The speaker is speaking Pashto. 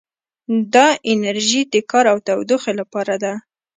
دا انرژي د کار او تودوخې لپاره ده.